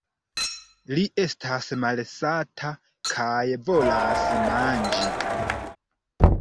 Li estas malsata kaj volas manĝi!